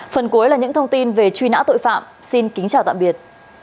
phần cuối là những thông tin về truy nã tội phạm xin kính chào tạm biệt